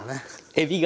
えびが？